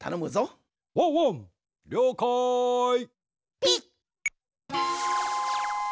ピッ！